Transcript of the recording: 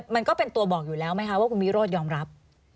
มันก็เป็นตัวบอกอยู่แล้วไหมคะว่าคุณวิโรธยอมรับ